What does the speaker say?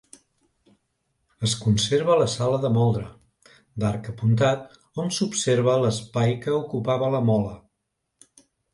Es conserva la sala de moldre, d'arc apuntat, on s'observa l'espai que ocupava la mola.